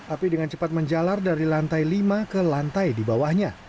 api dengan cepat menjalar dari lantai lima ke lantai di bawahnya